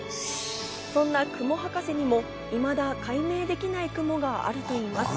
そんな雲博士にもいまだ解明できない雲があるといいます。